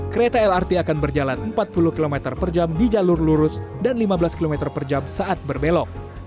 kereta lrt akan berjalan empat puluh km per jam di jalur lurus dan lima belas km per jam saat berbelok